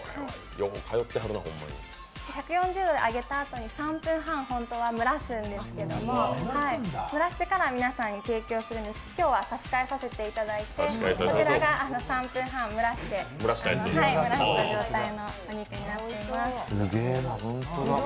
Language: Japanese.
１４０度で揚げたあと３分半ホントは蒸らすんですが蒸らしてから皆さんに提供するんですけど今日は差し替えさせていただいてこちらが３分半蒸らした状態のお肉です。